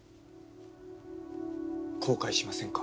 後悔しませんか？